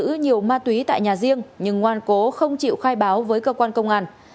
thu giữ nhiều ma túy tại nhà riêng nhưng ngoan cố không chịu khai báo với cơ quan công an